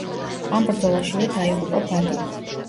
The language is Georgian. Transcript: ამ ბრძოლაშივე დაიღუპა ბადი.